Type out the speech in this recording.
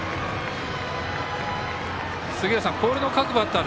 杉浦さん、広陵の各バッター